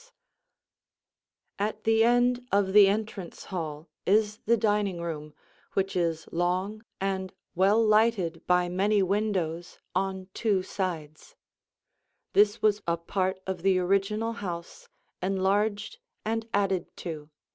[Illustration: The Dining Room] At the end of the entrance hall is the dining room which is long and well lighted by many windows on two sides. This was a part of the original house, enlarged and added to.